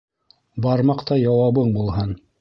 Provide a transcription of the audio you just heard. Бармаҡтай яуабың булһын.